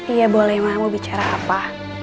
iya boleh mamu bicara apa